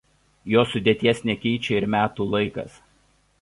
Jo sudėties nekeičia ir metų laikas.